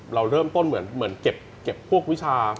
เราเริ่มต้นเหมือนเก็บพวกวิชา